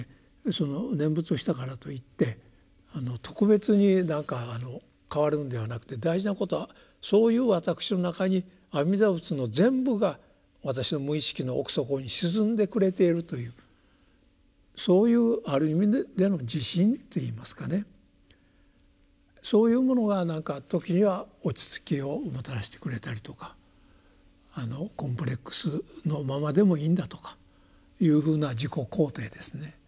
その念仏をしたからといって特別に何か変わるんではなくて大事なことはそういう私の中に阿弥陀仏の全部が私の無意識の奥底に沈んでくれているというそういうある意味での自信といいますかねそういうものが何か時には落ち着きをもたらしてくれたりとかコンプレックスのままでもいいんだとかいうふうな自己肯定ですね。